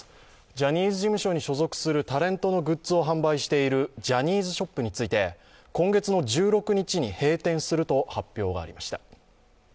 ジャニーズ事務所に所属するタレントのグッズを販売しているジャニーズショップについて今月の１６日に閉店すると発表がありました。